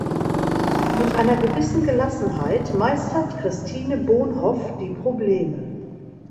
Mit einer gewissen Gelassenheit meistert Christine Bonhoff die Probleme.